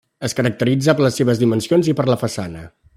Es caracteritza per les seves dimensions i per la façana.